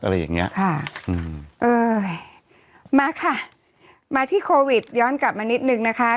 อะไรอย่างเงี้ยค่ะอืมเออมาค่ะมาที่โควิดย้อนกลับมานิดนึงนะคะ